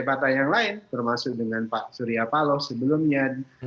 partai yang lain termasuk dengan pak surya paloh sebelumnya